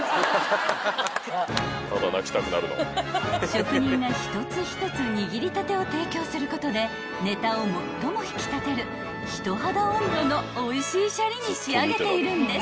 ［職人が一つ一つ握りたてを提供することでネタを最も引き立てる人肌温度のおいしいシャリに仕上げているんです］